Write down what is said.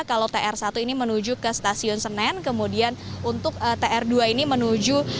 kalau tr satu ini menuju ke stasiun senen kemudian untuk tr dua ini menuju